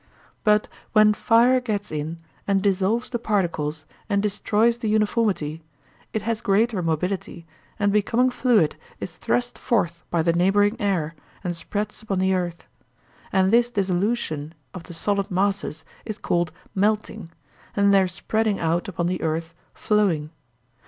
But when fire gets in and dissolves the particles and destroys the uniformity, it has greater mobility, and becoming fluid is thrust forth by the neighbouring air and spreads upon the earth; and this dissolution of the solid masses is called melting, and their spreading out upon the earth flowing.